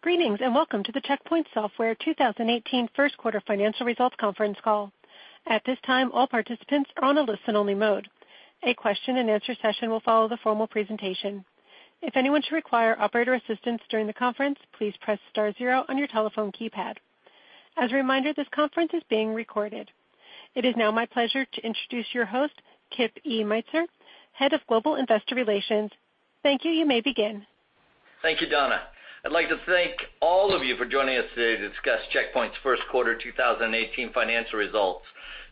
Greetings, welcome to the Check Point Software 2018 first quarter financial results conference call. At this time, all participants are on a listen-only mode. A question and answer session will follow the formal presentation. If anyone should require operator assistance during the conference, please press star zero on your telephone keypad. As a reminder, this conference is being recorded. It is now my pleasure to introduce your host, Kip E. Meintzer, Head of Global Investor Relations. Thank you. You may begin. Thank you, Donna. I'd like to thank all of you for joining us today to discuss Check Point's first quarter 2018 financial results.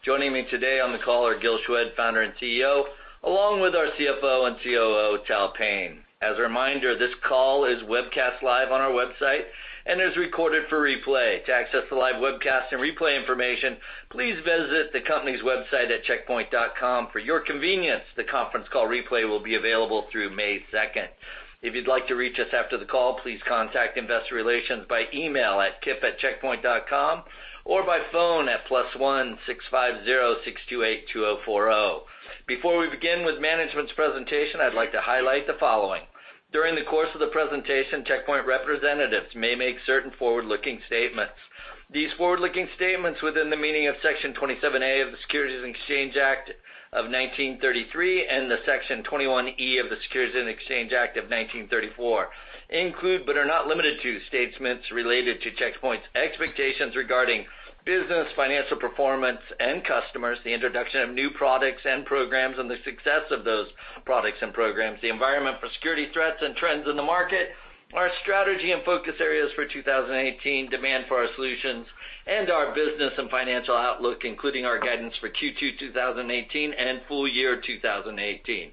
Joining me today on the call are Gil Shwed, Founder and CEO, along with our CFO and COO, Tal Payne. As a reminder, this call is webcast live on our website and is recorded for replay. To access the live webcast and replay information, please visit the company's website at checkpoint.com. For your convenience, the conference call replay will be available through May 2nd. If you'd like to reach us after the call, please contact investor relations by email at kip@checkpoint.com or by phone at +16506282040. Before we begin with management's presentation, I'd like to highlight the following. During the course of the presentation, Check Point representatives may make certain forward-looking statements. These forward-looking statements within the meaning of Section 27A of the Securities Act of 1933 and Section 21E of the Securities Exchange Act of 1934 include, but are not limited to, statements related to Check Point's expectations regarding business, financial performance, and customers, the introduction of new products and programs and the success of those products and programs, the environment for security threats and trends in the market, our strategy and focus areas for 2018, demand for our solutions, and our business and financial outlook, including our guidance for Q2 2018 and full year 2018.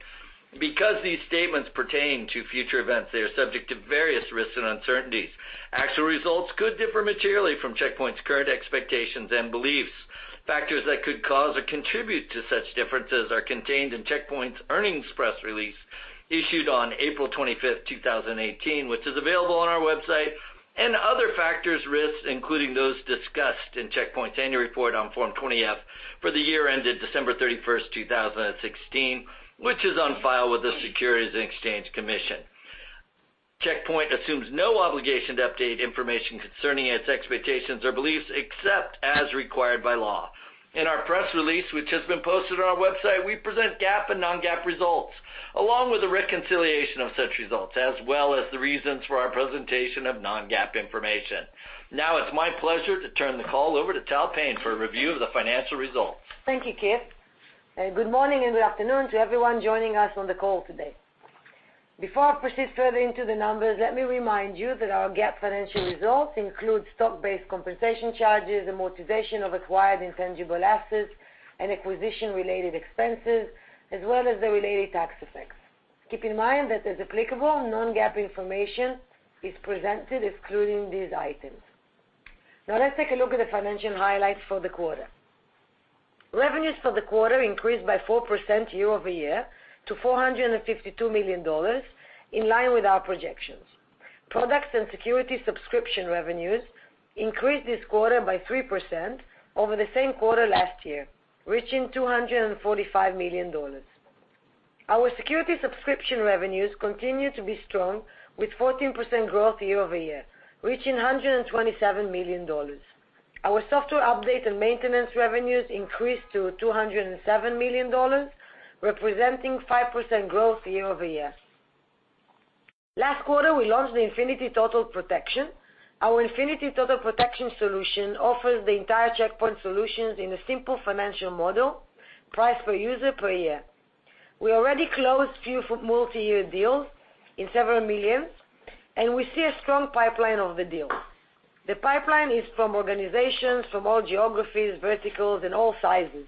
Because these statements pertain to future events, they are subject to various risks and uncertainties. Actual results could differ materially from Check Point's current expectations and beliefs. Factors that could cause or contribute to such differences are contained in Check Point's earnings press release issued on April 25th, 2018, which is available on our website, and other factors, risks, including those discussed in Check Point's annual report on Form 20-F for the year ended December 31st, 2016, which is on file with the Securities and Exchange Commission. Check Point assumes no obligation to update information concerning its expectations or beliefs except as required by law. In our press release, which has been posted on our website, we present GAAP and non-GAAP results along with the reconciliation of such results, as well as the reasons for our presentation of non-GAAP information. Now it's my pleasure to turn the call over to Tal Payne for a review of the financial results. Thank you, Kip. Good morning and good afternoon to everyone joining us on the call today. Before I proceed further into the numbers, let me remind you that our GAAP financial results include stock-based compensation charges, amortization of acquired intangible assets, and acquisition-related expenses, as well as the related tax effects. Keep in mind that as applicable, non-GAAP information is presented excluding these items. Now let's take a look at the financial highlights for the quarter. Revenues for the quarter increased by 4% year-over-year to $452 million, in line with our projections. Products and security subscription revenues increased this quarter by 3% over the same quarter last year, reaching $245 million. Our security subscription revenues continue to be strong with 14% growth year-over-year, reaching $127 million. Our software update and maintenance revenues increased to $207 million, representing 5% growth year-over-year. Last quarter, we launched the Infinity Total Protection. Our Infinity Total Protection solution offers the entire Check Point solutions in a simple financial model, price per user per year. We already closed few multi-year deals in several million, and we see a strong pipeline of the deals. The pipeline is from organizations from all geographies, verticals, and all sizes.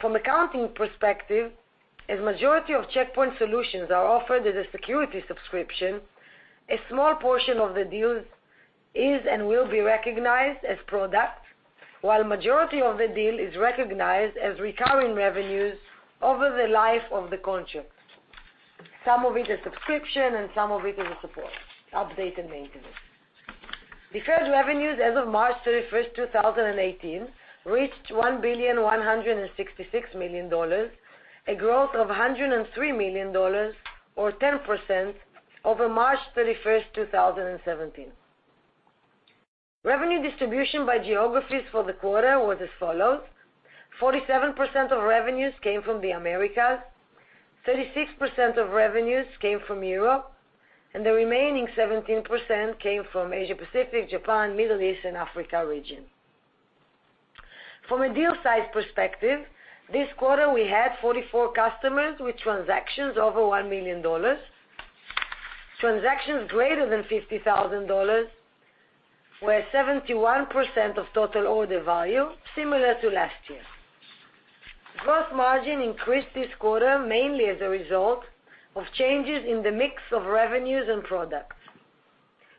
From accounting perspective, as majority of Check Point solutions are offered as a security subscription, a small portion of the deals is and will be recognized as product while majority of the deal is recognized as recurring revenues over the life of the contract, some of it is subscription and some of it is support, update, and maintenance. Deferred revenues as of March 31st, 2018, reached $1,166 million, a growth of $103 million, or 10%, over March 31st, 2017. Revenue distribution by geographies for the quarter was as follows: 47% of revenues came from the Americas, 36% of revenues came from Europe, and the remaining 17% came from Asia Pacific, Japan, Middle East, and Africa region. From a deal size perspective, this quarter we had 44 customers with transactions over $1 million. Transactions greater than $50,000 were 71% of total order value, similar to last year. Gross margin increased this quarter mainly as a result of changes in the mix of revenues and products.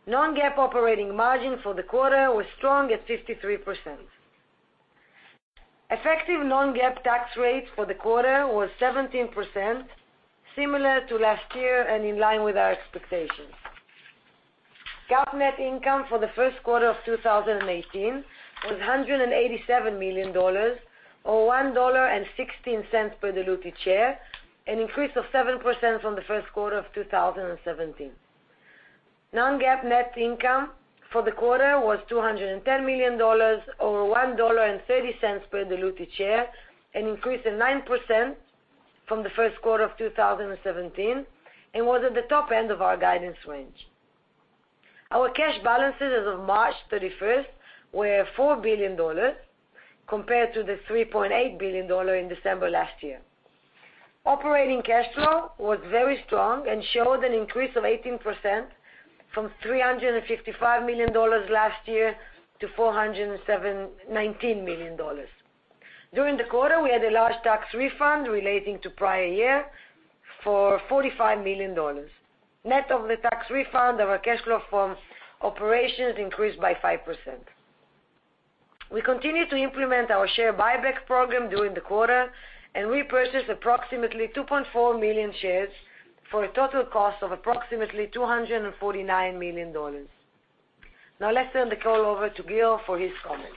Non-GAAP operating margin for the quarter was strong at 53%. Effective non-GAAP tax rate for the quarter was 17%, similar to last year and in line with our expectations. GAAP net income for the first quarter of 2018 was $187 million, or $1.16 per diluted share, an increase of 7% from the first quarter of 2017. Non-GAAP net income for the quarter was $210 million, or $1.30 per diluted share, an increase of 9% from the first quarter of 2017, and was at the top end of our guidance range. Our cash balances as of March 31st were $4 billion, compared to the $3.8 billion in December last year. Operating cash flow was very strong and showed an increase of 18% from $355 million last year to $419 million. During the quarter, we had a large tax refund relating to prior year for $45 million. Net of the tax refund, our cash flow from operations increased by 5%. We continued to implement our share buyback program during the quarter, and repurchased approximately 2.4 million shares for a total cost of approximately $249 million. Now, let's turn the call over to Gil for his comments.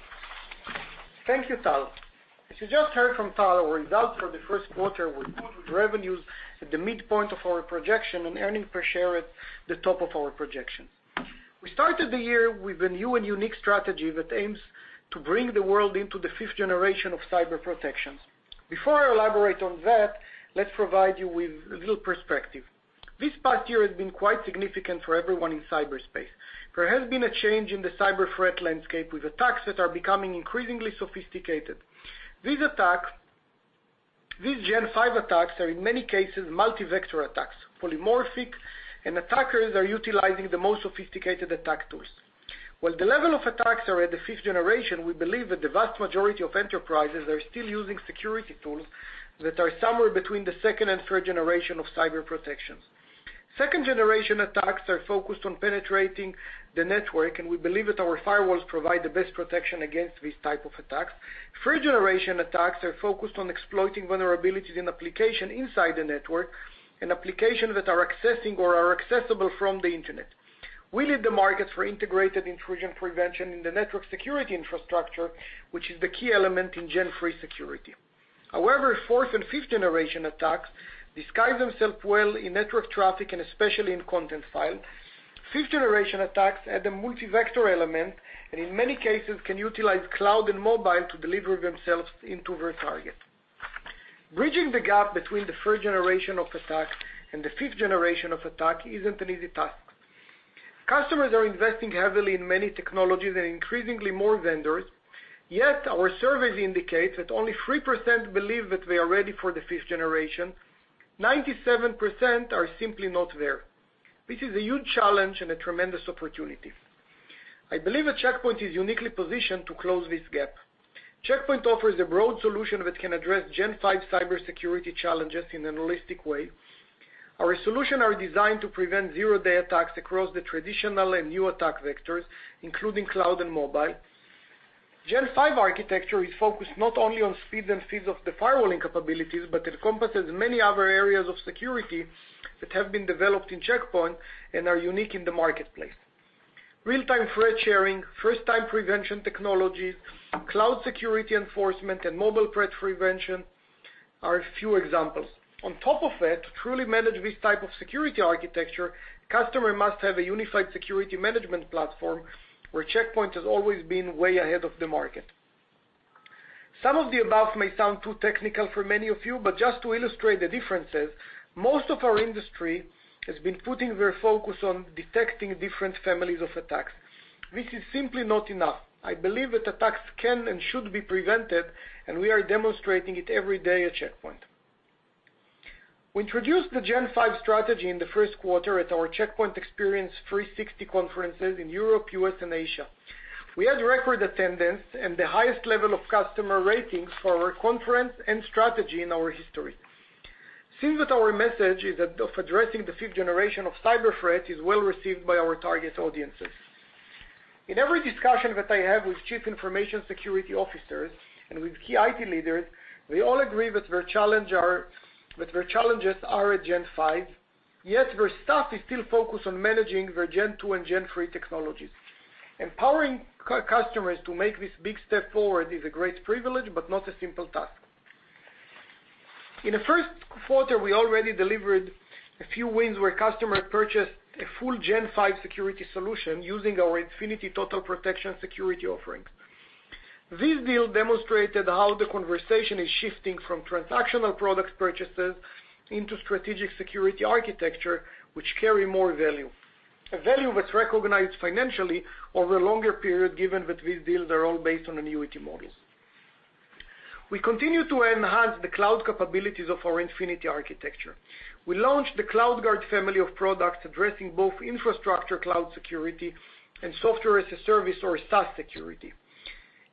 Thank you, Tal. As you just heard from Tal, our results for the first quarter were good, with revenues at the midpoint of our projection and earnings per share at the top of our projection. We started the year with a new and unique strategy that aims to bring the world into the fifth generation of cyber protection. Before I elaborate on that, let's provide you with a little perspective. This past year has been quite significant for everyone in cyberspace. There has been a change in the cyber threat landscape, with attacks that are becoming increasingly sophisticated. These Gen V attacks are, in many cases, multi-vector attacks, polymorphic, and attackers are utilizing the most sophisticated attack tools. While the level of attacks are at the fifth generation, we believe that the vast majority of enterprises are still using security tools that are somewhere between the second and third generation of cyber protections. Second-generation attacks are focused on penetrating the network, and we believe that our firewalls provide the best protection against these type of attacks. Third-generation attacks are focused on exploiting vulnerabilities in application inside the network and applications that are accessing or are accessible from the Internet. We lead the markets for integrated intrusion prevention in the network security infrastructure, which is the key element in Gen III security. However, fourth and fifth-generation attacks disguise themselves well in network traffic and especially in content file. Fifth-generation attacks add a multi-vector element, and in many cases can utilize cloud and mobile to deliver themselves into their target. Bridging the gap between the third generation of attack and the fifth generation of attack isn't an easy task. Customers are investing heavily in many technologies and increasingly more vendors, yet our surveys indicate that only 3% believe that they are ready for the fifth generation. 97% are simply not there. This is a huge challenge and a tremendous opportunity. I believe that Check Point is uniquely positioned to close this gap. Check Point offers a broad solution that can address gen five cybersecurity challenges in an holistic way. Our solution are designed to prevent zero-day attacks across the traditional and new attack vectors, including cloud and mobile. Gen five architecture is focused not only on speed and feeds of the firewalling capabilities, but encompasses many other areas of security that have been developed in Check Point and are unique in the marketplace. Real-time threat sharing, first-time prevention technologies, cloud security enforcement, and mobile threat prevention are a few examples. On top of that, to truly manage this type of security architecture, customer must have a unified security management platform, where Check Point has always been way ahead of the market. Some of the above may sound too technical for many of you, but just to illustrate the differences, most of our industry has been putting their focus on detecting different families of attacks. This is simply not enough. I believe that attacks can and should be prevented, and we are demonstrating it every day at Check Point. We introduced the gen five strategy in the first quarter at our Check Point Experience 360 Conferences in Europe, U.S., and Asia. We had record attendance and the highest level of customer ratings for our conference and strategy in our history. Seems that our message of addressing the fifth generation of cyber threat is well received by our target audiences. In every discussion that I have with Chief Information Security Officers and with key IT leaders, they all agree that their challenges are at Gen V, yet their staff is still focused on managing their Gen II and Gen 3 technologies. Empowering customers to make this big step forward is a great privilege, but not a simple task. In the first quarter, we already delivered a few wins where customer purchased a full Gen V security solution using our Infinity Total Protection security offerings. This deal demonstrated how the conversation is shifting from transactional product purchases into strategic security architecture, which carry more value. A value that's recognized financially over a longer period, given that these deals are all based on annuity models. We continue to enhance the cloud capabilities of our Infinity architecture. We launched the CloudGuard family of products addressing both infrastructure cloud security and Software as a Service or SaaS security.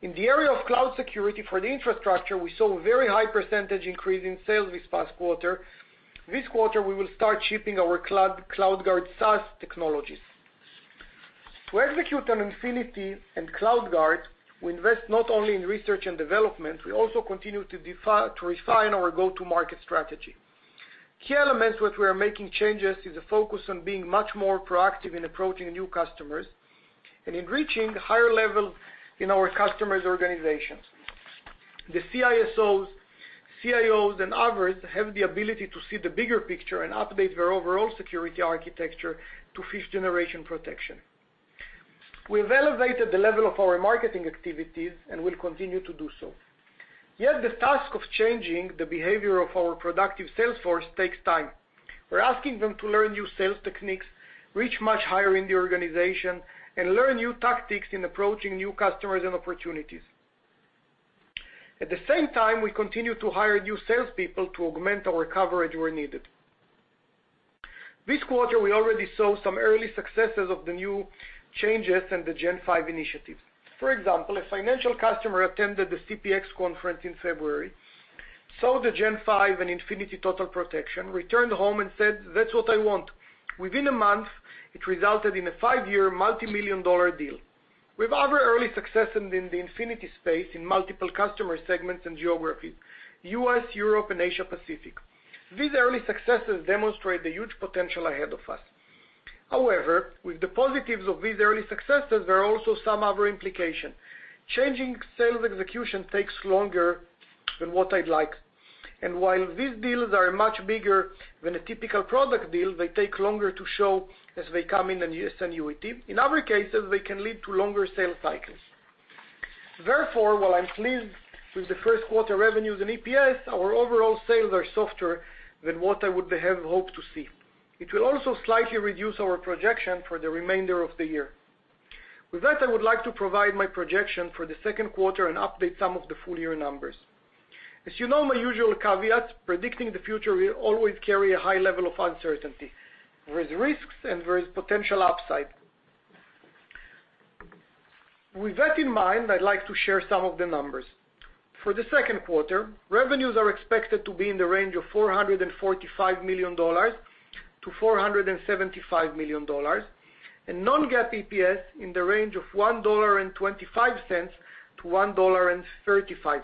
In the area of cloud security for the infrastructure, we saw a very high percentage increase in sales this past quarter. This quarter, we will start shipping our CloudGuard SaaS technologies. To execute on Infinity and CloudGuard, we invest not only in research and development, we also continue to refine our go-to market strategy. Key elements that we are making changes is a focus on being much more proactive in approaching new customers and in reaching higher level in our customers' organizations. The CISOs, CIOs, and others have the ability to see the bigger picture and update their overall security architecture to fifth-generation protection. We've elevated the level of our marketing activities and will continue to do so. The task of changing the behavior of our productive sales force takes time. We're asking them to learn new sales techniques, reach much higher in the organization, and learn new tactics in approaching new customers and opportunities. At the same time, we continue to hire new salespeople to augment our coverage where needed. This quarter, we already saw some early successes of the new changes and the Gen V initiatives. For example, a financial customer attended the CPX conference in February, saw the Gen V and Infinity Total Protection, returned home and said, "That's what I want." Within a month, it resulted in a five-year multimillion-dollar deal. We have other early success in the Infinity space in multiple customer segments and geographies, U.S., Europe, and Asia Pacific. These early successes demonstrate the huge potential ahead of us. With the positives of these early successes, there are also some other implications. Changing sales execution takes longer than what I'd like. While these deals are much bigger than a typical product deal, they take longer to show as they come in as annuity. In other cases, they can lead to longer sales cycles. While I'm pleased with the first quarter revenues and EPS, our overall sales are softer than what I would have hoped to see. It will also slightly reduce our projection for the remainder of the year. With that, I would like to provide my projection for the second quarter and update some of the full-year numbers. As you know, my usual caveat, predicting the future will always carry a high level of uncertainty. There is risks and there is potential upside. With that in mind, I'd like to share some of the numbers. For the second quarter, revenues are expected to be in the range of $445 million to $475 million, and non-GAAP EPS in the range of $1.25 to $1.35.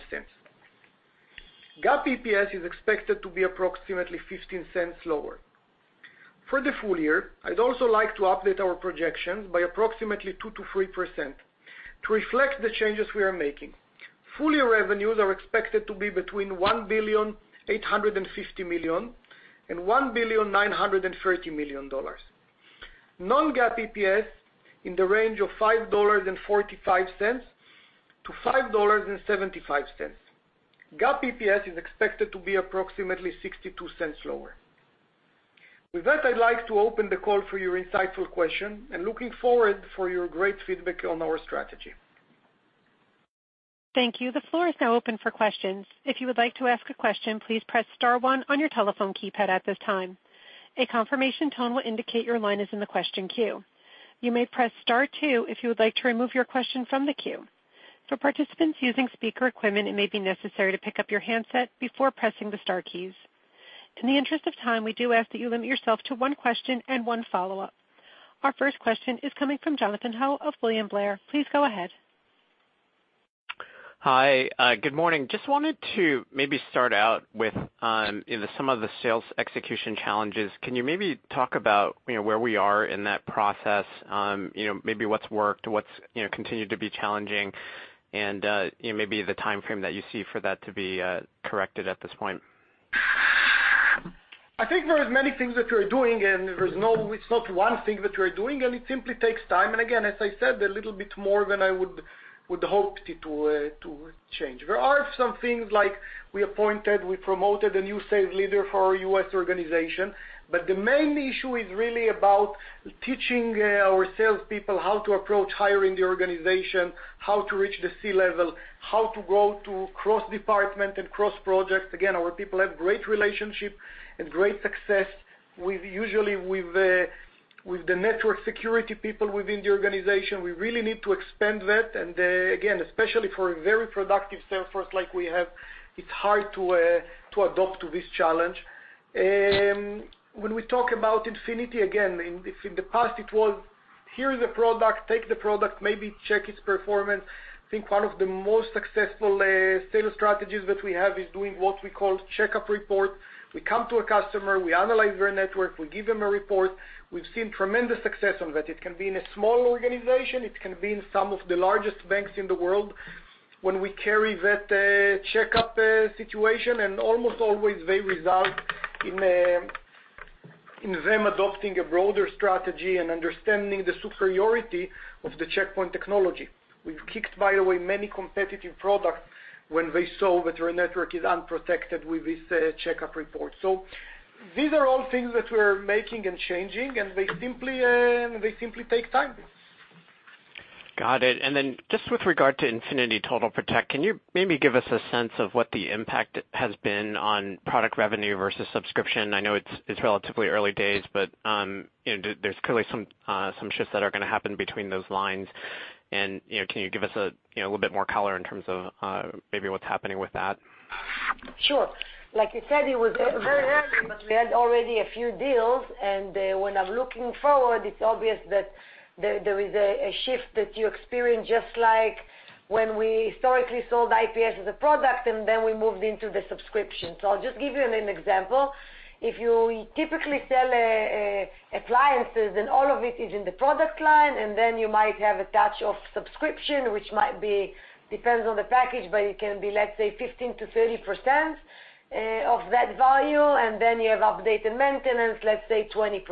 GAAP EPS is expected to be approximately $0.15 lower. For the full year, I'd also like to update our projections by approximately 2%-3% to reflect the changes we are making. Full-year revenues are expected to be between $1.85 billion and $1.93 billion. Non-GAAP EPS in the range of $5.45 to $5.75. GAAP EPS is expected to be approximately $0.62 lower. With that, I'd like to open the call for your insightful question, and looking forward for your great feedback on our strategy. Thank you. The floor is now open for questions. If you would like to ask a question, please press star one on your telephone keypad at this time. A confirmation tone will indicate your line is in the question queue. You may press star two if you would like to remove your question from the queue. For participants using speaker equipment, it may be necessary to pick up your handset before pressing the star keys. In the interest of time, we do ask that you limit yourself to one question and one follow-up. Our first question is coming from Jonathan Ho of William Blair. Please go ahead. Hi. Good morning. Just wanted to maybe start out with some of the sales execution challenges. Can you maybe talk about where we are in that process? Maybe what's worked, what's continued to be challenging, and maybe the timeframe that you see for that to be corrected at this point. I think there are many things that we're doing, it's not one thing that we're doing, and it simply takes time. Again, as I said, a little bit more than I would hoped it to change. There are some things like we appointed, we promoted a new sales leader for our U.S. organization, but the main issue is really about teaching our salespeople how to approach higher in the organization, how to reach the C-level, how to go to cross-department and cross-projects. Again, our people have great relationship and great success. We've usually, with the network security people within the organization, we really need to expand that. Again, especially for a very productive sales force like we have, it's hard to adopt to this challenge. When we talk about Infinity, again, if in the past it was, here's a product, take the product, maybe check its performance. I think one of the most successful sales strategies that we have is doing what we call checkup report. We come to a customer, we analyze their network, we give them a report. We've seen tremendous success on that. It can be in a small organization. It can be in some of the largest banks in the world. When we carry that checkup situation, almost always they result in them adopting a broader strategy and understanding the superiority of the Check Point technology. We've kicked, by the way, many competitive products when they saw that their network is unprotected with this checkup report. These are all things that we're making and changing, and they simply take time. Got it. Then just with regard to Infinity Total Protection, can you maybe give us a sense of what the impact has been on product revenue versus subscription? I know it's relatively early days, but there's clearly some shifts that are going to happen between those lines. Can you give us a little bit more color in terms of maybe what's happening with that? Sure. Like I said, it was very early, but we had already a few deals, and when I'm looking forward, it's obvious that there is a shift that you experience, just like when we historically sold IPS as a product, and then we moved into the subscription. I'll just give you an example. If you typically sell appliances and all of it is in the product line, and then you might have a touch of subscription, which might be, depends on the package, but it can be, let's say, 15%-30% of that value, and then you have update and maintenance, let's say 20%.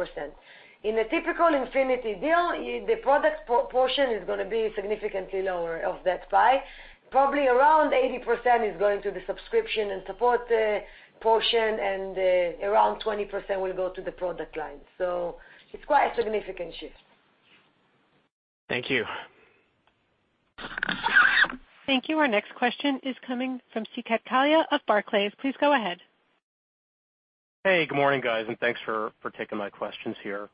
In a typical Infinity deal, the product portion is going to be significantly lower of that pie. Probably around 80% is going to the subscription and support portion, and around 20% will go to the product line. It's quite a significant shift. Thank you. Thank you. Our next question is coming from Saket Kalia of Barclays. Please go ahead. Hey, good morning, guys, and thanks for taking my questions here.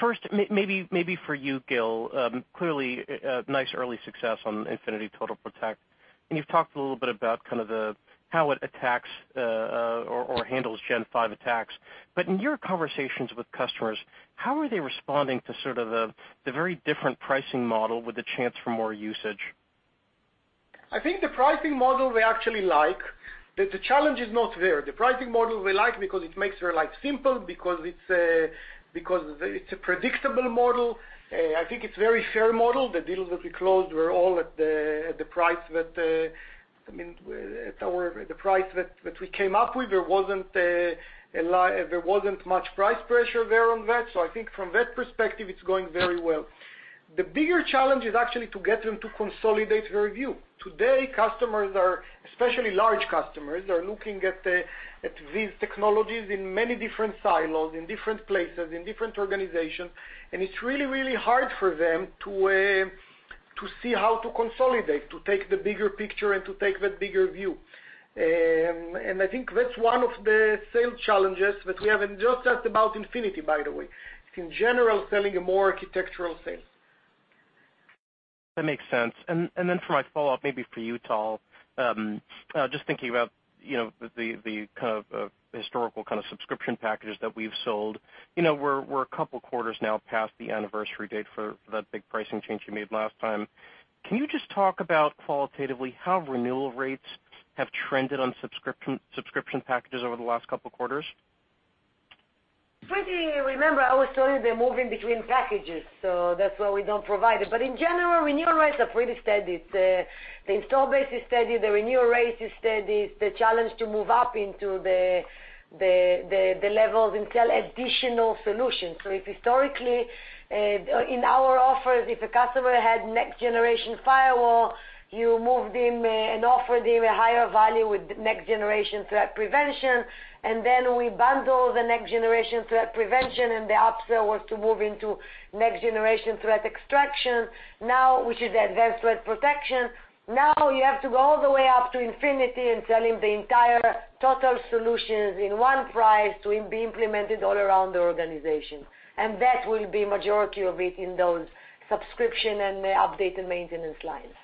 First, maybe for you, Gil, clearly, nice early success on Infinity Total Protection. You've talked a little bit about kind of how it attacks or handles Gen V attacks. In your conversations with customers, how are they responding to sort of the very different pricing model with the chance for more usage? I think the pricing model, they actually like. The challenge is not there. The pricing model, they like because it makes their life simple, because it's a predictable model. I think it's very fair model. The deals that we closed were all at the price that we came up with. There wasn't much price pressure there on that. I think from that perspective, it's going very well. The bigger challenge is actually to get them to consolidate their view. Today, customers are, especially large customers, are looking at these technologies in many different silos, in different places, in different organizations, and it's really hard for them to see how to consolidate, to take the bigger picture and to take that bigger view. I think that's one of the sales challenges that we have, and not just about Infinity, by the way. It's, in general, selling a more architectural sale. That makes sense. For my follow-up, maybe for you, Tal, just thinking about the kind of historical subscription packages that we've sold. We're a couple of quarters now past the anniversary date for that big pricing change you made last time. Can you just talk about qualitatively how renewal rates have trended on subscription packages over the last couple of quarters? Remember, I was telling you they're moving between packages. That's why we don't provide it. In general, renewal rates are pretty steady. The install base is steady, the renewal rate is steady. It's the challenge to move up into the levels and sell additional solutions. If historically, in our offers, if a customer had next generation firewall, you moved him and offered him a higher value with Next Generation Threat Prevention. Then we bundle the Next Generation Threat Prevention, and the upsell was to move into Next Generation Threat Extraction, which is the advanced threat protection. Now you have to go all the way up to Infinity and sell him the entire total solutions in one price to be implemented all around the organization. That will be majority of it in those subscription and update and maintenance lines.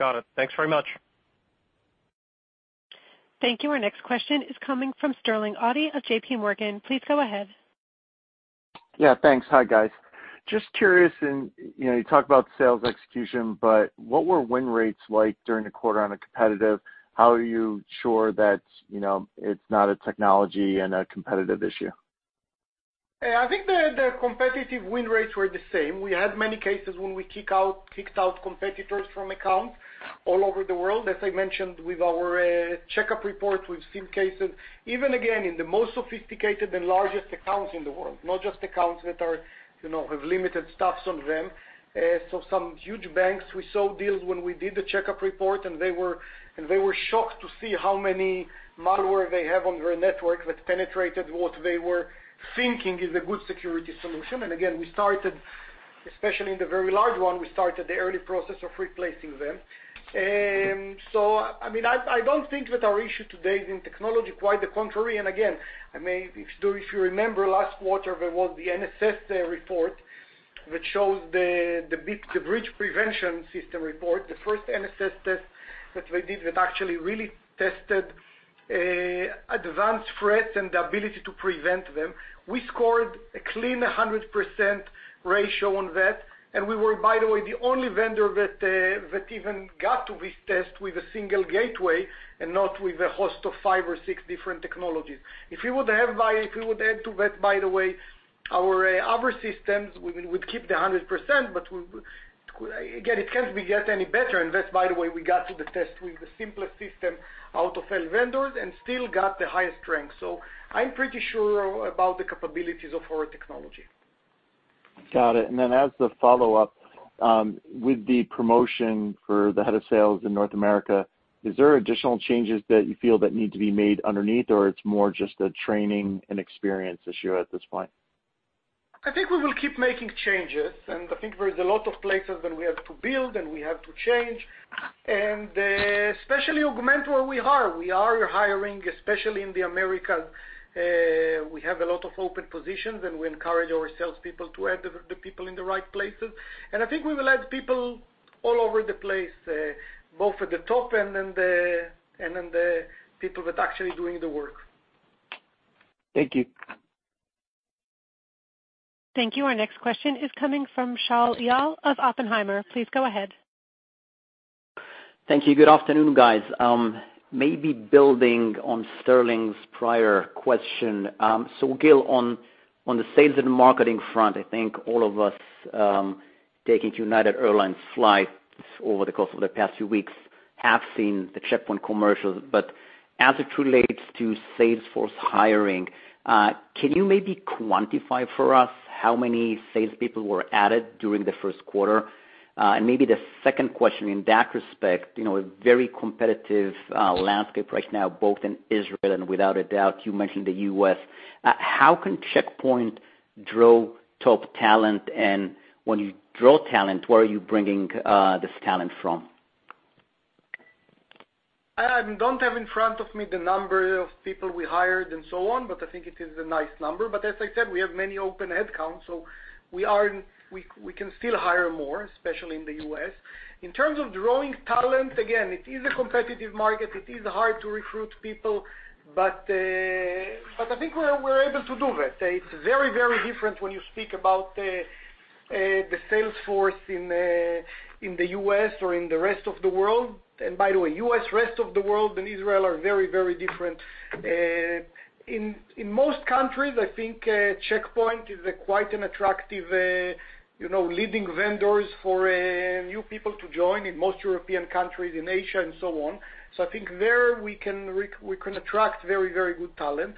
Got it. Thanks very much. Thank you. Our next question is coming from Sterling Auty of J.P. Morgan. Please go ahead. Yeah, thanks. Hi, guys. Just curious, you talk about sales execution, what were win rates like during the quarter on a competitive? How are you sure that it's not a technology and a competitive issue? I think the competitive win rates were the same. We had many cases when we kicked out competitors from accounts all over the world. As I mentioned with our checkup report, we've seen cases, even again, in the most sophisticated and largest accounts in the world, not just accounts that have limited stuffs on them. Some huge banks, we saw deals when we did the checkup report, and they were shocked to see how many malware they have on their network that penetrated what they were thinking is a good security solution. Again, we started, especially in the very large one, we started the early process of replacing them. I don't think that our issue today is in technology, quite the contrary. Again, if you remember last quarter, there was the NSS report, which shows the breach prevention system report. The first NSS test that we did that actually really tested advanced threats and the ability to prevent them. We scored a clean 100% ratio on that, we were, by the way, the only vendor that even got to this test with a single gateway and not with a host of five or six different technologies. If we would add to that, by the way, our other systems, we would keep the 100%, again, it can't be get any better, that's, by the way, we got to the test with the simplest system out of all vendors and still got the highest rank. I'm pretty sure about the capabilities of our technology. Got it. Then as the follow-up, with the promotion for the head of sales in North America, is there additional changes that you feel that need to be made underneath, it's more just a training and experience issue at this point? I think we will keep making changes. I think there's a lot of places that we have to build and we have to change, and especially augment where we are. We are hiring, especially in the Americas. We have a lot of open positions, and we encourage our salespeople to add the people in the right places. I think we will add people all over the place, both at the top and then the people that actually doing the work. Thank you. Thank you. Our next question is coming from Shaul Eyal of Oppenheimer. Please go ahead. Thank you. Good afternoon, guys. Maybe building on Sterling's prior question. Gil, on the sales and marketing front, I think all of us taking United Airlines flights over the course of the past few weeks have seen the Check Point commercials, but as it relates to sales force hiring, can you maybe quantify for us how many salespeople were added during the first quarter? Maybe the second question in that respect, a very competitive landscape right now, both in Israel and without a doubt, you mentioned the U.S. How can Check Point draw top talent? When you draw talent, where are you bringing this talent from? I don't have in front of me the number of people we hired and so on. I think it is a nice number. As I said, we have many open headcounts, so we can still hire more, especially in the U.S. In terms of drawing talent, again, it is a competitive market. It is hard to recruit people. I think we're able to do that. It's very, very different when you speak about the sales force in the U.S. or in the rest of the world. By the way, U.S., rest of the world, and Israel are very, very different. In most countries, I think Check Point is quite an attractive leading vendor for new people to join in most European countries, in Asia, and so on. I think there we can attract very, very good talent.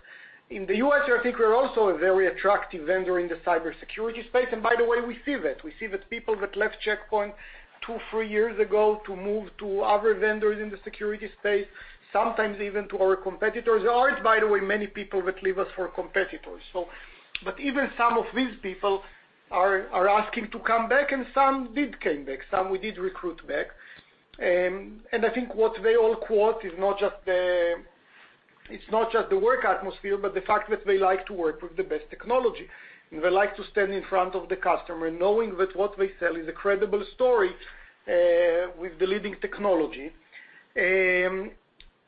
In the U.S., I think we're also a very attractive vendor in the cybersecurity space. By the way, we see that. We see that people that left Check Point two, three years ago to move to other vendors in the security space, sometimes even to our competitors. There aren't, by the way, many people that leave us for competitors. Even some of these people are asking to come back, and some did come back. Some we did recruit back. I think what they all quote is not just the work atmosphere, but the fact that they like to work with the best technology, and they like to stand in front of the customer knowing that what they sell is a credible story with the leading technology.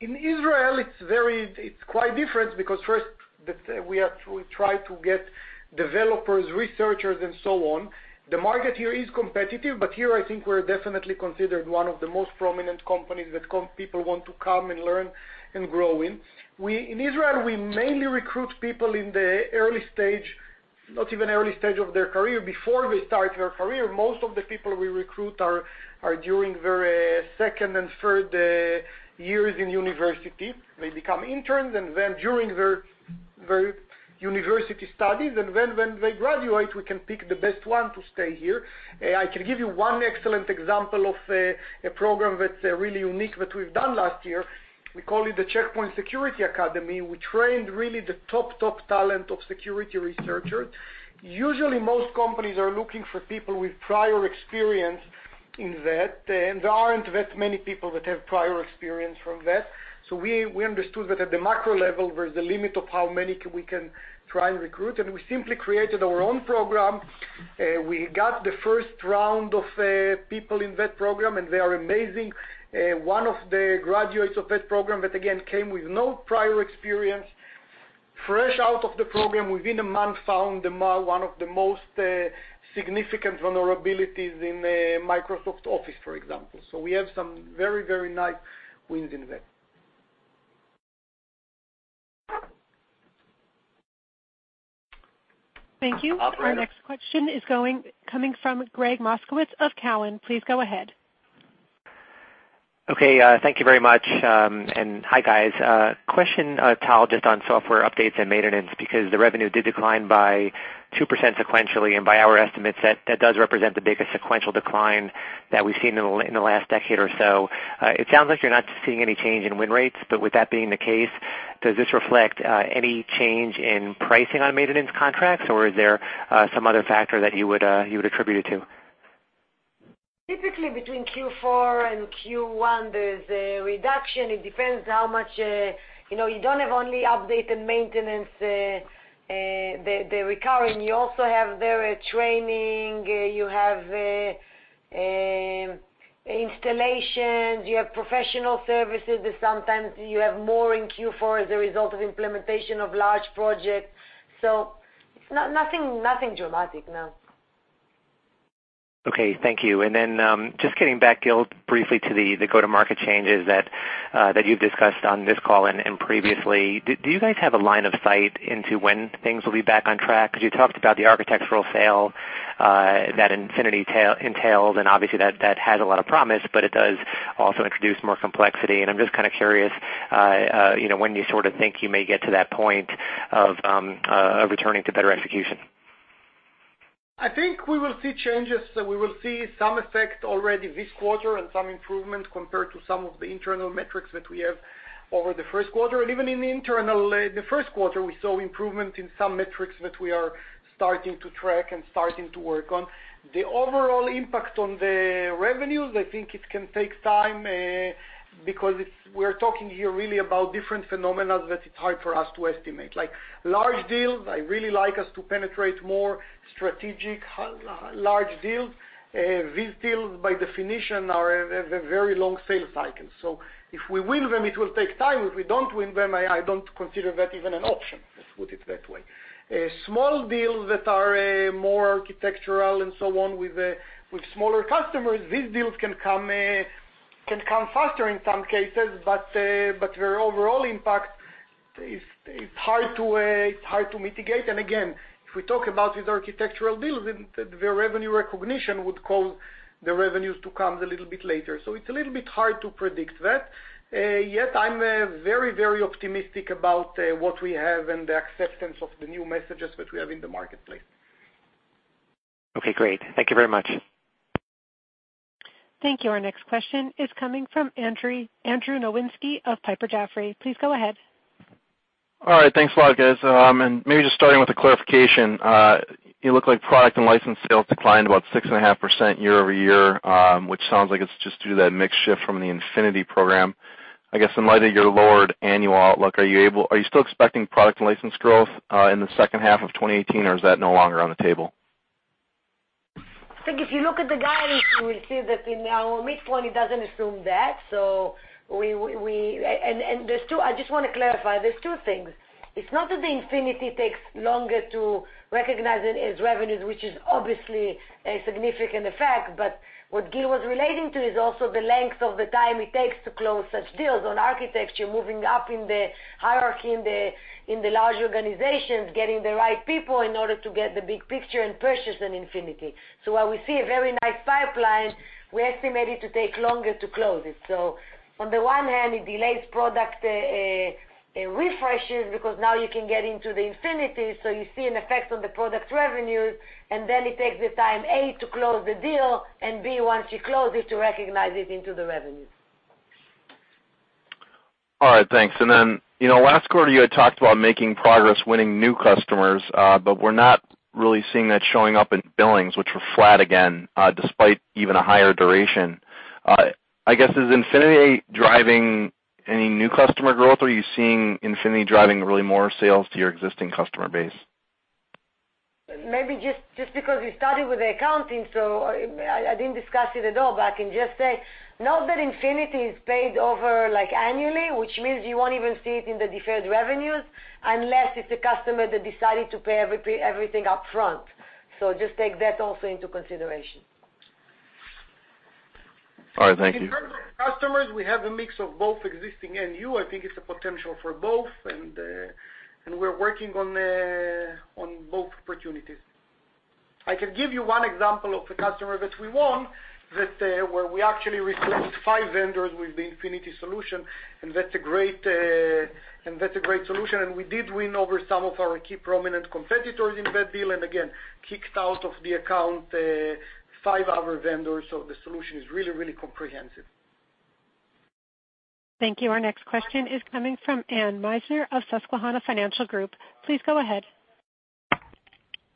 In Israel, it's quite different because first, we try to get developers, researchers, and so on. The market here is competitive, but here I think we're definitely considered one of the most prominent companies that people want to come and learn and grow in. In Israel, we mainly recruit people in the early stage, not even early stage of their career, before they start their career. Most of the people we recruit are during their second and third years in university. They become interns and then during their university studies, and when they graduate, we can pick the best one to stay here. I can give you one excellent example of a program that's really unique that we've done last year. We call it the Check Point Security Academy. We trained really the top talent of security researchers. Usually, most companies are looking for people with prior experience in that, and there aren't that many people that have prior experience from that. We understood that at the macro level, there's a limit of how many we can try and recruit, and we simply created our own program. We got the first round of people in that program, and they are amazing. One of the graduates of that program, that again, came with no prior experience, fresh out of the program within a month, found one of the most significant vulnerabilities in Microsoft Office, for example. We have some very, very nice wins in that. Thank you. Operator. Our next question is coming from Gregg Moskowitz of Cowen. Please go ahead. Okay. Thank you very much, hi, guys. Question, Tal, just on software updates and maintenance, because the revenue did decline by 2% sequentially, and by our estimates, that does represent the biggest sequential decline that we've seen in the last decade or so. It sounds like you're not seeing any change in win rates, but with that being the case, does this reflect any change in pricing on maintenance contracts, or is there some other factor that you would attribute it to? Typically, between Q4 and Q1, there's a reduction. It depends how much. You don't have only update and maintenance, the recurring. You also have there training, you have installations, you have professional services. Sometimes you have more in Q4 as a result of implementation of large projects. It's nothing dramatic, no. Okay. Thank you. Just getting back, Gil, briefly to the go-to-market changes that you've discussed on this call and previously, do you guys have a line of sight into when things will be back on track? You talked about the architectural sale that Infinity entailed, and obviously that has a lot of promise, but it does also introduce more complexity. I'm just kind of curious when you sort of think you may get to that point of returning to better execution. I think we will see changes. We will see some effect already this quarter and some improvement compared to some of the internal metrics that we have over the first quarter. Even in the first quarter, we saw improvement in some metrics that we are starting to track and starting to work on. The overall impact on the revenues, I think it can take time because we're talking here really about different phenomena that it's hard for us to estimate. Like large deals, I really like us to penetrate more strategic large deals. These deals, by definition, are a very long sales cycle. If we win them, it will take time. If we don't win them, I don't consider that even an option. Let's put it that way. Small deals that are more architectural and so on with smaller customers, these deals can come faster in some cases, but their overall impact It's hard to mitigate. Again, if we talk about these architectural deals, the revenue recognition would cause the revenues to come a little bit later. It's a little bit hard to predict that. Yet, I'm very optimistic about what we have and the acceptance of the new messages that we have in the marketplace. Okay, great. Thank you very much. Thank you. Our next question is coming from Andrew Nowinski of Piper Jaffray. Please go ahead. All right, thanks a lot, guys. Maybe just starting with a clarification. You look like product and license sales declined about 6.5% year-over-year, which sounds like it's just due to that mix shift from the Infinity program. I guess in light of your lowered annual outlook, are you still expecting product and license growth, in the second half of 2018, or is that no longer on the table? I think if you look at the guidance, you will see that in our mid-point, it doesn't assume that. I just want to clarify, there's two things. It's not that the Infinity takes longer to recognize it as revenues, which is obviously a significant effect, but what Gil was relating to is also the length of the time it takes to close such deals on architecture, moving up in the hierarchy in the large organizations, getting the right people in order to get the big picture and purchase an Infinity. While we see a very nice pipeline, we estimate it to take longer to close it. On the one hand, it delays product refreshes because now you can get into the Infinity, so you see an effect on the product revenues. Then it takes the time, A, to close the deal, and B, once you close it, to recognize it into the revenues. All right. Thanks. Last quarter you had talked about making progress winning new customers, but we're not really seeing that showing up in billings, which were flat again, despite even a higher duration. I guess is Infinity driving any new customer growth? Are you seeing Infinity driving really more sales to your existing customer base? Maybe just because we started with the accounting, I didn't discuss it at all, but I can just say, note that Infinity is paid over annually, which means you won't even see it in the deferred revenues unless it's a customer that decided to pay everything up front. Just take that also into consideration. All right, thank you. In terms of customers, we have a mix of both existing and new. I think it's a potential for both, and we're working on both opportunities. I can give you one example of a customer that we won, where we actually replaced five vendors with the Infinity solution, and that's a great solution. We did win over some of our key prominent competitors in that deal, and again, kicked out of the account, five other vendors. The solution is really comprehensive. Thank you. Our next question is coming from Anne Meisner of Susquehanna Financial Group. Please go ahead.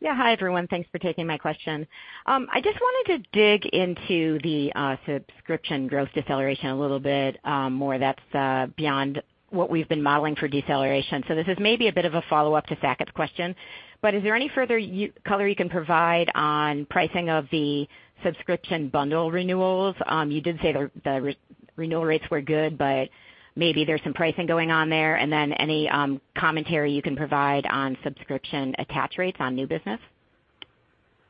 Hi, everyone. Thanks for taking my question. I just wanted to dig into the subscription growth deceleration a little bit more that's beyond what we've been modeling for deceleration. This is maybe a bit of a follow-up to Saket's question, but is there any further color you can provide on pricing of the subscription bundle renewals? You did say the renewal rates were good, but maybe there's some pricing going on there. Any commentary you can provide on subscription attach rates on new business?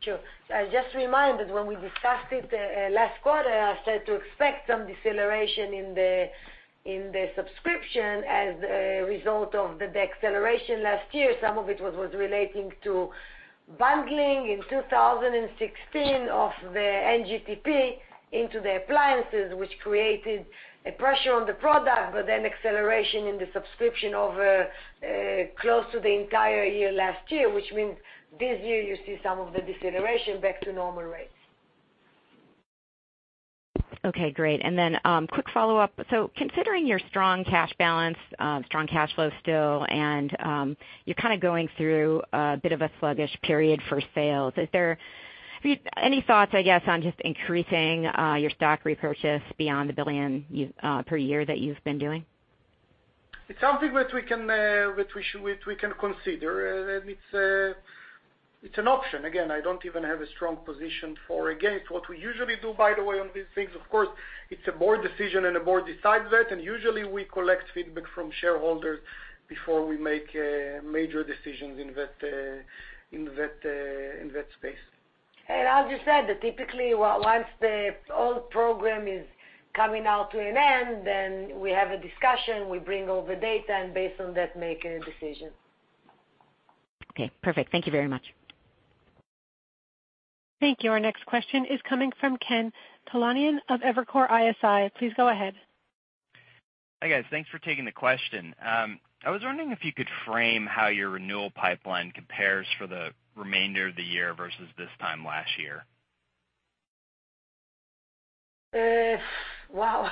Sure. I just remind that when we discussed it last quarter, I said to expect some deceleration in the subscription as a result of the acceleration last year. Some of it was relating to bundling in 2016 of the NGTP into the appliances, which created a pressure on the product, but then acceleration in the subscription over close to the entire year last year, which means this year you see some of the deceleration back to normal rates. Okay, great. Quick follow-up. Considering your strong cash balance, strong cash flow still, and you're kind of going through a bit of a sluggish period for sales, any thoughts, I guess, on just increasing your stock repurchase beyond the $1 billion per year that you've been doing? It's something that we can consider. It's an option. Again, I don't even have a strong position for or against. What we usually do, by the way, on these things, of course, it's a board decision and a board decides that, and usually we collect feedback from shareholders before we make major decisions in that space. As you said, typically once the old program is coming out to an end, then we have a discussion, we bring all the data, and based on that, make a decision. Okay, perfect. Thank you very much. Thank you. Our next question is coming from Ken Talanian of Evercore ISI. Please go ahead. Hi, guys. Thanks for taking the question. I was wondering if you could frame how your renewal pipeline compares for the remainder of the year versus this time last year. Wow.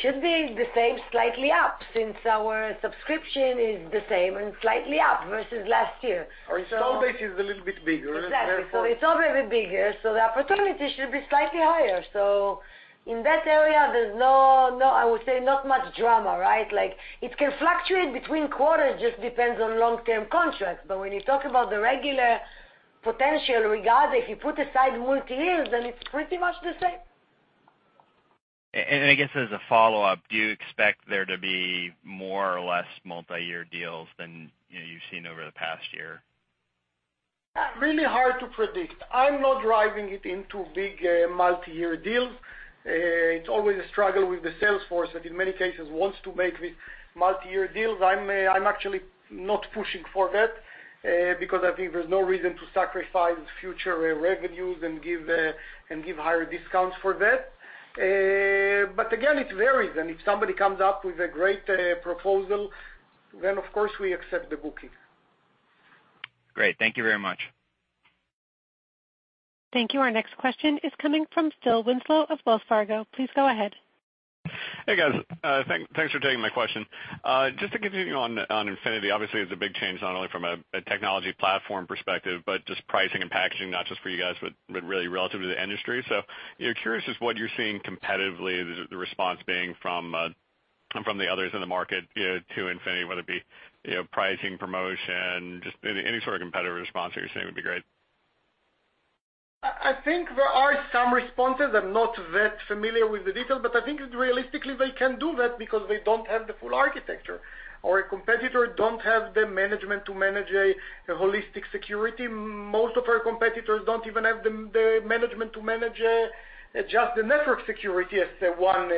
Should be the same, slightly up, since our subscription is the same and slightly up versus last year. Our install base is a little bit bigger, and therefore- Exactly. It's already bigger, the opportunity should be slightly higher. In that area, I would say not much drama, right? It can fluctuate between quarters, just depends on long-term contracts. When you talk about the regular potential regard, if you put aside multi-years, it's pretty much the same. I guess as a follow-up, do you expect there to be more or less multi-year deals than you've seen over the past year? Really hard to predict. I'm not driving it into big multi-year deals. It's always a struggle with the sales force that in many cases wants to make these multi-year deals. I'm actually not pushing for that because I think there's no reason to sacrifice future revenues and give higher discounts for that. Again, it varies, and if somebody comes up with a great proposal, then, of course, we accept the booking. Great. Thank you very much. Thank you. Our next question is coming from Philip Winslow of Wells Fargo. Please go ahead. Hey, guys. Thanks for taking my question. Just to continue on Check Point Infinity. Obviously, it's a big change, not only from a technology platform perspective, but just pricing and packaging, not just for you guys, but really relative to the industry. Curious just what you're seeing competitively, the response being from the others in the market to Check Point Infinity, whether it be pricing, promotion, just any sort of competitive response that you're seeing would be great. I think there are some responses. I'm not that familiar with the details, but I think realistically they can't do that because they don't have the full architecture, or a competitor don't have the management to manage a holistic security. Most of our competitors don't even have the management to manage just the network security as one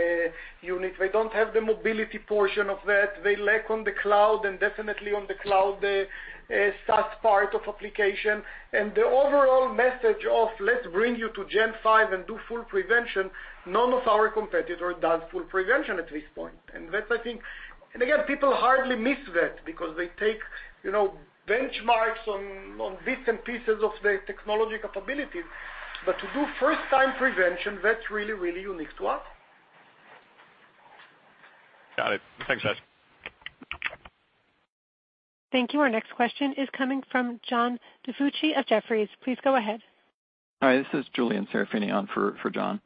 unit. They don't have the mobility portion of that. They lack on the cloud and definitely on the cloud, the SaaS part of application. The overall message of let's bring you to Gen V and do full prevention, none of our competitors does full prevention at this point. Again, people hardly miss that because they take benchmarks on bits and pieces of the technology capabilities. To do first time prevention, that's really unique to us. Got it. Thanks, guys. Thank you. Our next question is coming from John DiFucci of Jefferies. Please go ahead. Hi, this is Julian Serafini on for John.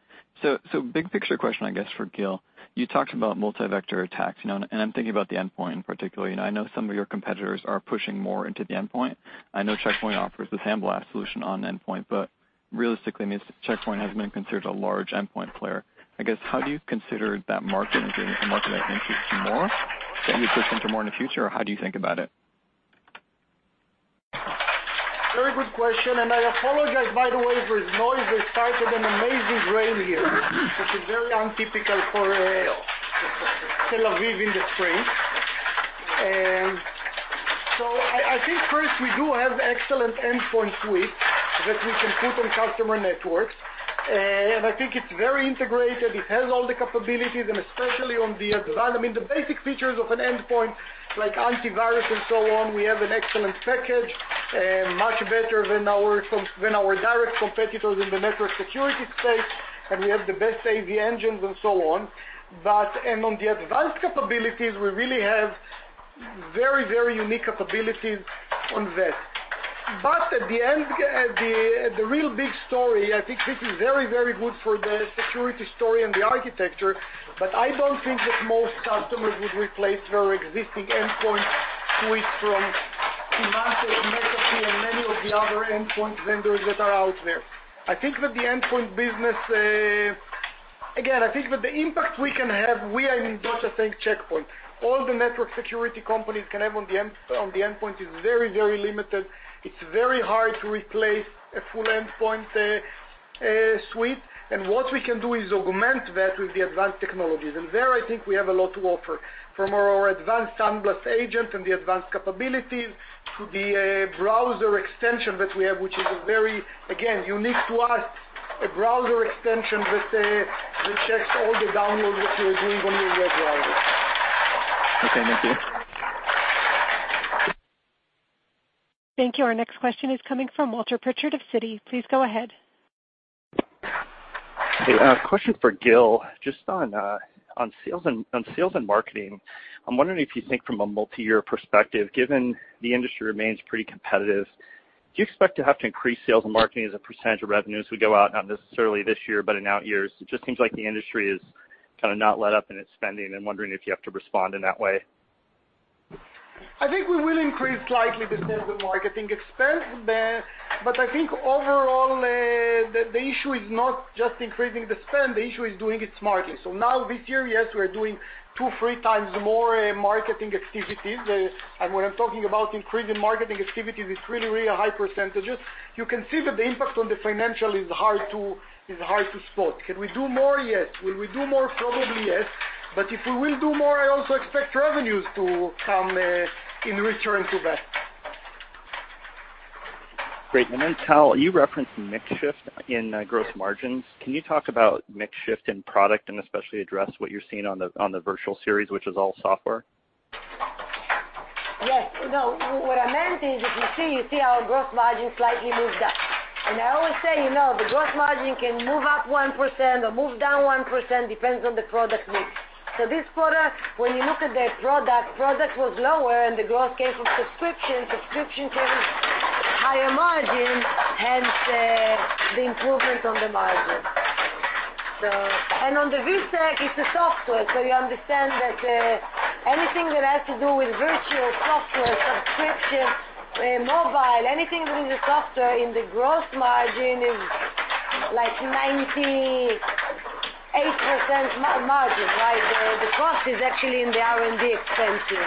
Big picture question, I guess, for Gil. You talked about multi-vector attacks, and I'm thinking about the endpoint in particular. I know some of your competitors are pushing more into the endpoint. I know Check Point offers the SandBlast solution on endpoint, but realistically, Check Point hasn't been considered a large endpoint player. I guess, how do you consider that market? Is it a market that interests you more, that you would push into more in the future? How do you think about it? Very good question. I apologize, by the way, for the noise. It started an amazing rain here, which is very untypical for Tel Aviv in the spring. I think first, we do have excellent endpoint suite that we can put on customer networks, and I think it's very integrated. It has all the capabilities, and especially on the advanced. I mean, the basic features of an endpoint like antivirus and so on, we have an excellent package, much better than our direct competitors in the network security space, and we have the best AV engines and so on. On the advanced capabilities, we really have very unique capabilities on that. At the end, the real big story, I think this is very good for the security story and the architecture, but I don't think that most customers would replace their existing endpoint suite from Symantec, McAfee, and many of the other endpoint vendors that are out there. Again, I think that the impact we can have, we, I mean, not just saying Check Point. All the network security companies can have on the endpoint is very limited. It's very hard to replace a full endpoint suite. What we can do is augment that with the advanced technologies. There, I think we have a lot to offer from our advanced SandBlast Agent and the advanced capabilities to the browser extension that we have, which is a very, again, unique to us, a browser extension that checks all the downloads that you are doing on your web browser. Okay. Thank you. Thank you. Our next question is coming from Walter Pritchard of Citi. Please go ahead. Hey. A question for Gil, just on sales and marketing. I'm wondering if you think from a multi-year perspective, given the industry remains pretty competitive, do you expect to have to increase sales and marketing as a percentage of revenues as we go out, not necessarily this year, but in out years? It just seems like the industry has kind of not let up in its spending. I'm wondering if you have to respond in that way. I think we will increase slightly the sales and marketing expense, I think overall, the issue is not just increasing the spend. The issue is doing it smartly. Now this year, yes, we're doing two, three times more marketing activities. When I'm talking about increasing marketing activities, it's really high %. You can see that the impact on the financial is hard to spot. Can we do more? Yes. Will we do more? Probably yes. If we will do more, I also expect revenues to come in return to that. Great. Tal, you referenced mix shift in gross margins. Can you talk about mix shift in product and especially address what you're seeing on the Virtual Series, which is all software? Yes. No, what I meant is if you see, you see our gross margin slightly moved up. I always say, the gross margin can move up 1% or move down 1%, depends on the product mix. This quarter, when you look at the product was lower and the growth came from subscription. Subscription came higher margin, hence the improvement on the margin. On the vSEC, it's a software. You understand that anything that has to do with virtual, software, subscription, mobile, anything that is a software in the gross margin is like 98% margin, while the cost is actually in the R&D expenses.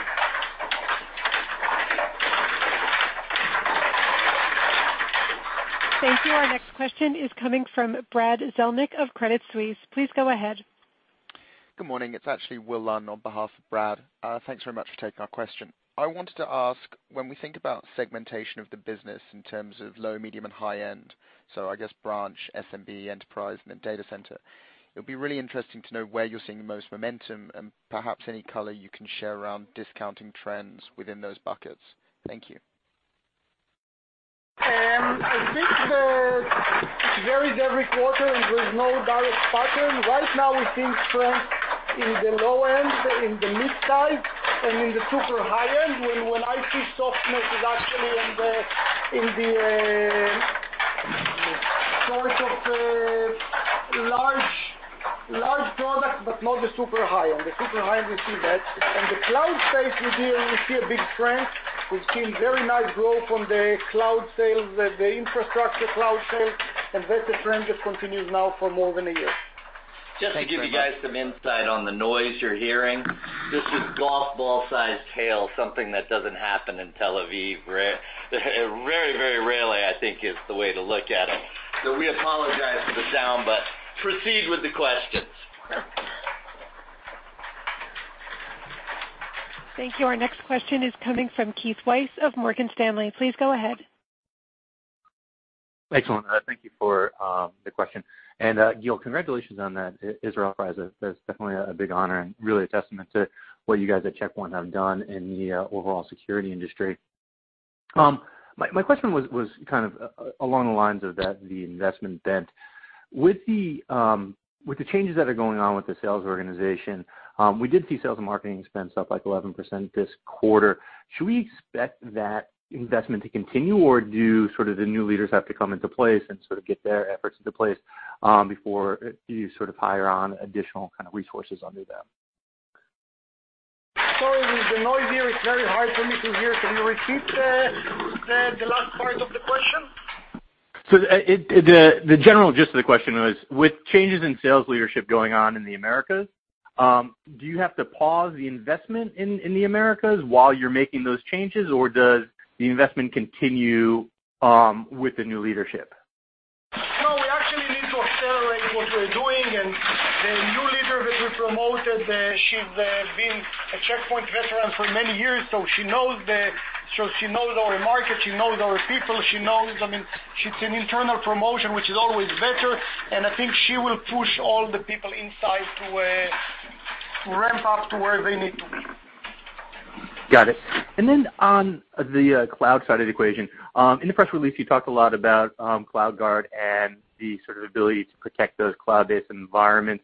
Thank you. Our next question is coming from Brad Zelnick of Credit Suisse. Please go ahead. Good morning. It's actually Will Lunn on behalf of Brad. Thanks very much for taking our question. I wanted to ask, when we think about segmentation of the business in terms of low, medium, and high end, so I guess branch, SMB, enterprise, and then data center, it would be really interesting to know where you're seeing the most momentum and perhaps any color you can share around discounting trends within those buckets. Thank you. I think that it varies every quarter. There's no direct pattern. Right now, we see strength in the low end, in the mid side and in the super high end. Where when I see softness is actually in the sort of large product, but not the super high end. The super high end, we see that. In the cloud space, we see a big strength. We've seen very nice growth on the cloud sales, the infrastructure cloud sales, and that's a trend that continues now for more than a year. Thank you very much. Just to give you guys some insight on the noise you're hearing, this is golf ball-sized hail, something that doesn't happen in Tel Aviv. Very, very rarely, I think, is the way to look at it. We apologize for the sound, but proceed with the questions. Thank you. Our next question is coming from Keith Weiss of Morgan Stanley. Please go ahead. Excellent. Thank you for the question. Gil, congratulations on that Israel Prize. That's definitely a big honor and really a testament to what you guys at Check Point have done in the overall security industry. My question was kind of along the lines of that, the investment bent. With the changes that are going on with the sales organization, we did see sales and marketing expense up like 11% this quarter. Should we expect that investment to continue, or do sort of the new leaders have to come into place and sort of get their efforts into place, before you sort of hire on additional kind of resources under them? Sorry, with the noise here, it's very hard for me to hear. Can you repeat the last part of the question? The general gist of the question was, with changes in sales leadership going on in the Americas, do you have to pause the investment in the Americas while you're making those changes, or does the investment continue with the new leadership? No, we actually need to accelerate what we're doing. The new leader that we promoted, she's been a Check Point veteran for many years, so she knows our market, she knows our people. She's an internal promotion, which is always better, and I think she will push all the people inside to ramp up to where they need to be. Got it. On the cloud side of the equation, in the press release, you talked a lot about CloudGuard and the sort of ability to protect those cloud-based environments.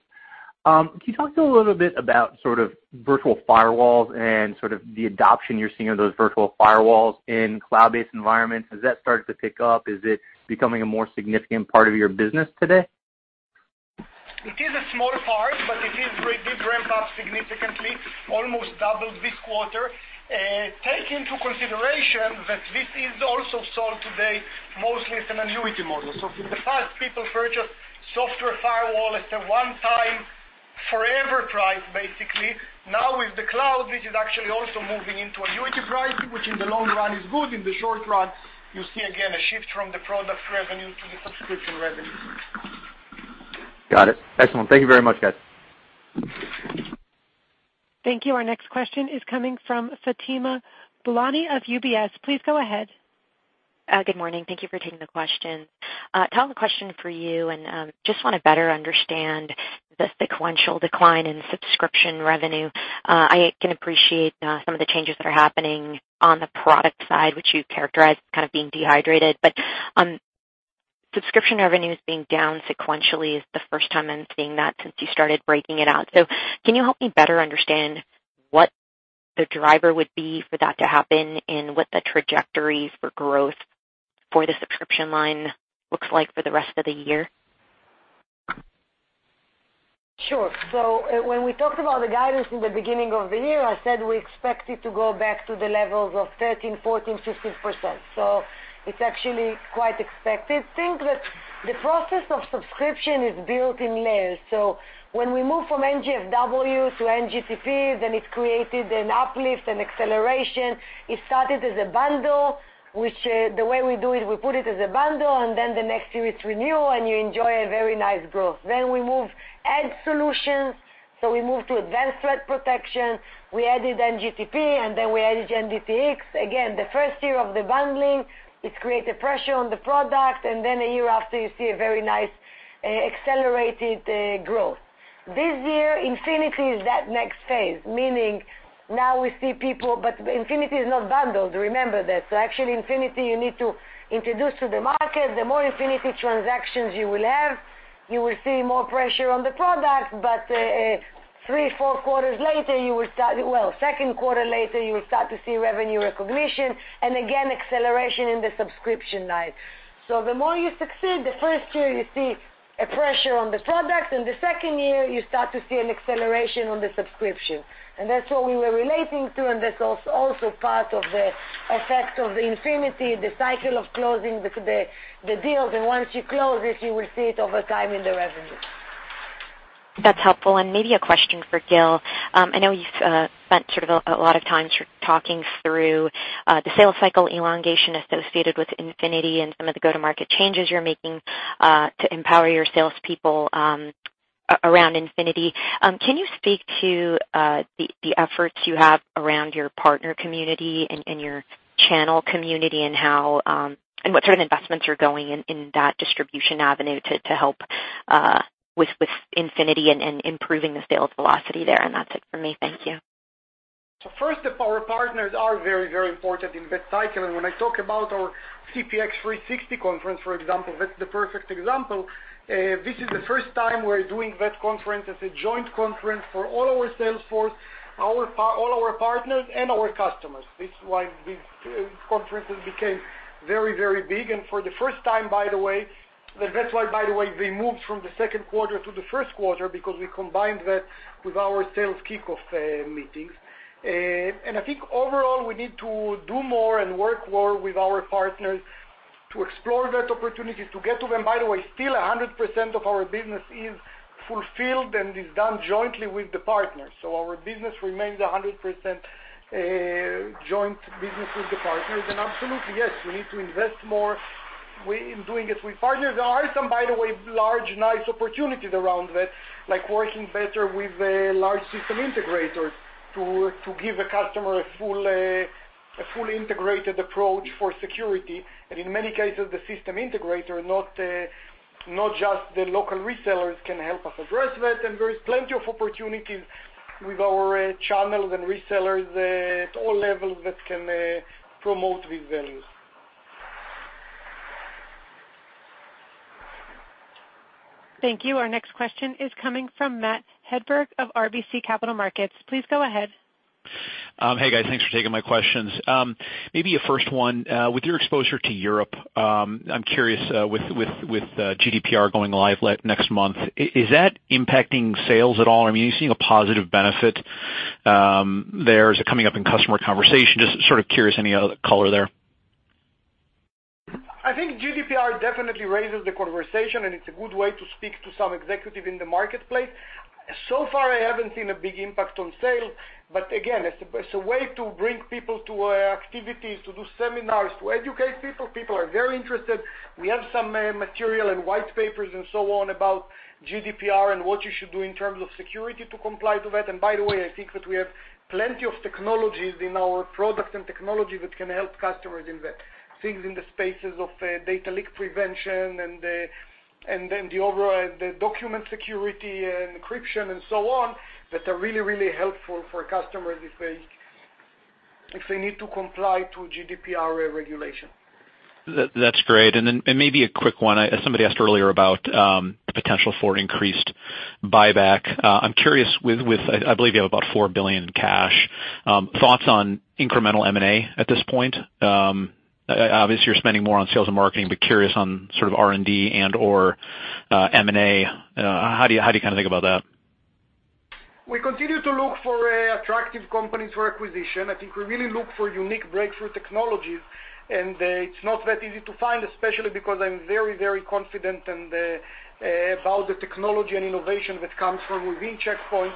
Can you talk to a little bit about sort of virtual firewalls and sort of the adoption you're seeing of those virtual firewalls in cloud-based environments? Has that started to pick up? Is it becoming a more significant part of your business today? It is a small part, it did ramp up significantly, almost doubled this quarter. Take into consideration that this is also sold today mostly as an annuity model. In the past, people purchased software firewall as a one-time forever price, basically. Now, with the cloud, this is actually also moving into annuity pricing, which in the long run is good. In the short run, you see again a shift from the product revenue to the subscription revenue. Got it. Excellent. Thank you very much, guys. Thank you. Our next question is coming from Fatima Boolani of UBS. Please go ahead. Good morning. Thank you for taking the question. Tal, a question for you, just want to better understand the sequential decline in subscription revenue. I can appreciate some of the changes that are happening on the product side, which you characterized kind of being dehydrated. Subscription revenues being down sequentially is the first time I'm seeing that since you started breaking it out. Can you help me better understand what the driver would be for that to happen and what the trajectories for growth for the subscription line looks like for the rest of the year? Sure. When we talked about the guidance in the beginning of the year, I said we expect it to go back to the levels of 13, 14, 16%. It's actually quite expected. I think that the process of subscription is built in layers. When we moved from NGFW to NGTP, it created an uplift, an acceleration. The way we do it, we put it as a bundle, and then the next year it's renew, and you enjoy a very nice growth. We move add solutions. We move to advanced threat protection. We added NGTP, and then we added NGTX. The first year of the bundling, it created pressure on the product, and a year after, you see a very nice accelerated growth. This year, Infinity is that next phase, meaning now we see people, but Infinity is not bundled. Remember that. Actually, Infinity, you need to introduce to the market. The more Infinity transactions you will have, you will see more pressure on the product, but three, four quarters later, Well, second quarter later, you will start to see revenue recognition and again, acceleration in the subscription line. The more you succeed, the first year you see a pressure on the product, and the second year, you start to see an acceleration on the subscription. That's what we were relating to, and that's also part of the effect of the Infinity, the cycle of closing the deals. Once you close it, you will see it over time in the revenue. That's helpful. Maybe a question for Gil. I know you've spent sort of a lot of time talking through the sales cycle elongation associated with Infinity and some of the go-to-market changes you're making to empower your salespeople around Infinity. Can you speak to the efforts you have around your partner community and your channel community, and what sort of investments are going in that distribution avenue to help with Infinity and improving the sales velocity there? That's it for me. Thank you. First, our partners are very, very important in that cycle. When I talk about our CPX 360 conference, for example, that's the perfect example. This is the first time we're doing that conference as a joint conference for all our sales force, all our partners, and our customers. This is why these conferences became very, very big. For the first time, by the way, that's why, by the way, we moved from the second quarter to the first quarter because we combined that with our sales kickoff meetings. I think overall, we need to do more and work more with our partners to explore that opportunity to get to them. By the way, still 100% of our business is fulfilled and is done jointly with the partners. Our business remains 100% joint business with the partners. Absolutely, yes, we need to invest more in doing it with partners. There are some, by the way, large, nice opportunities around that, like working better with large system integrators to give the customer a fully integrated approach for security. In many cases, the system integrator, not just the local resellers, can help us address that. There is plenty of opportunities with our channels and resellers at all levels that can promote this value. Thank you. Our next question is coming from Matthew Hedberg of RBC Capital Markets. Please go ahead. Hey, guys. Thanks for taking my questions. Maybe a first one, with your exposure to Europe, I'm curious, with GDPR going live next month, is that impacting sales at all? I mean, are you seeing a positive benefit there? Is it coming up in customer conversation? Just sort of curious, any other color there? I think GDPR definitely raises the conversation. It's a good way to speak to some executive in the marketplace. So far, I haven't seen a big impact on sales. Again, it's a way to bring people to our activities, to do seminars, to educate people. People are very interested. We have some material and white papers and so on about GDPR and what you should do in terms of security to comply to that. By the way, I think that we have plenty of technologies in our products and technology that can help customers in the things in the spaces of data leak prevention and the document security and encryption and so on that are really, really helpful for customers if they need to comply to GDPR regulation. That's great. Maybe a quick one, as somebody asked earlier about the potential for increased buyback. I'm curious, I believe you have about $4 billion in cash. Thoughts on incremental M&A at this point? Obviously, you're spending more on sales and marketing, but curious on sort of R&D and/or M&A. How do you kind of think about that? We continue to look for attractive companies for acquisition. I think we really look for unique breakthrough technologies, it's not that easy to find, especially because I'm very, very confident about the technology and innovation that comes from within Check Point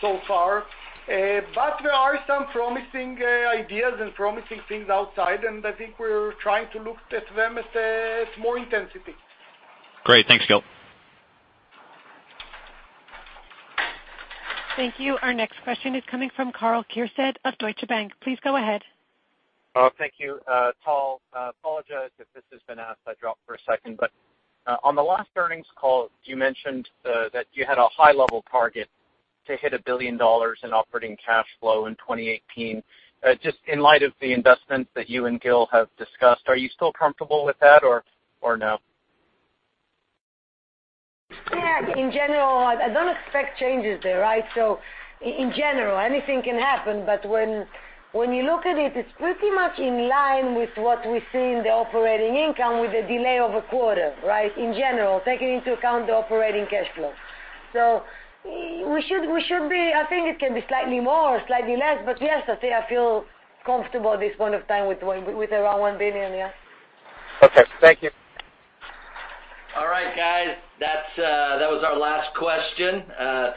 so far. There are some promising ideas and promising things outside, I think we're trying to look at them at more intensity. Great. Thanks, Gil. Thank you. Our next question is coming from Karl Keirstead of Deutsche Bank. Please go ahead. Oh, thank you, Tal. Apologize if this has been asked, I dropped for a second. On the last earnings call, you mentioned that you had a high-level target to hit $1 billion in operating cash flow in 2018. Just in light of the investments that you and Gil have discussed, are you still comfortable with that or no? In general, I don't expect changes there, right? In general, anything can happen, but when you look at it's pretty much in line with what we see in the operating income with a delay of a quarter, right? In general, taking into account the operating cash flow. We should be, I think it can be slightly more, slightly less, but yes, I feel comfortable at this point of time with around $1 billion, yeah. Okay. Thank you. All right, guys. That was our last question.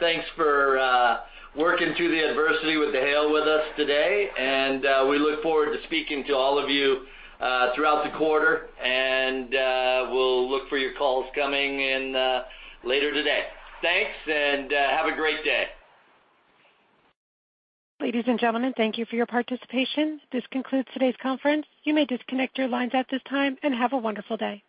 Thanks for working through the adversity with the hail with us today, and we look forward to speaking to all of you throughout the quarter. We'll look for your calls coming in later today. Thanks. Have a great day. Ladies and gentlemen, thank you for your participation. This concludes today's conference. You may disconnect your lines at this time, and have a wonderful day.